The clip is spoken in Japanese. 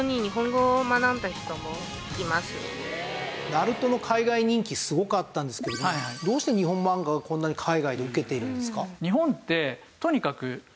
『ＮＡＲＵＴＯ』の海外人気すごかったんですけどどうして日本漫画がこんなに海外で受けているんですか？